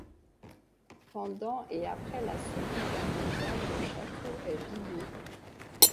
Pendant et après la Seconde Guerre mondiale, le château est vidé.